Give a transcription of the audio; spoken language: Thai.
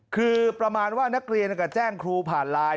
คือประมาณว่านักเรียนก็แจ้งครูผ่านไลน์